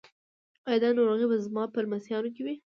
ایا دا ناروغي به زما په لمسیانو کې وي؟